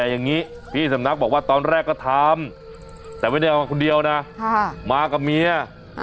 แต่อย่างนี้พี่สำนักบอกว่าตอนแรกก็ทำแต่ไม่ได้เอามาคนเดียวนะมากับเมีย